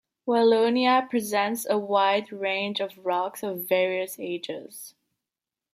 Wallonia presents a wide range of rocks of various ages.